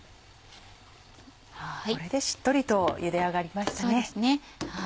これでしっとりとゆで上がりましたね。